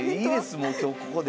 もう今日ここで。